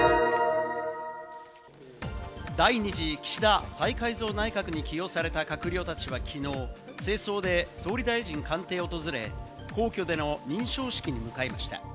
第２次岸田再改造内閣に起用された閣僚たちは、きのう正装で総理大臣官邸を訪れ、皇居での認証式に向かいました。